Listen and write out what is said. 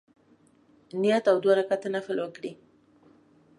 نیت او دوه رکعته نفل وکړي.